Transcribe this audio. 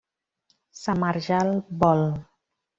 Sa Marjal Vol.